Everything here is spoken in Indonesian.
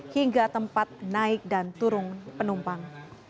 hingga tempat naik dan turun penumpang